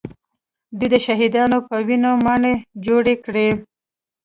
دوی د شهیدانو په وینو ماڼۍ جوړې کړې